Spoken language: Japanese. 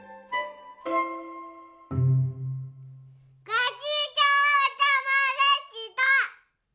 ごちそうさまでした。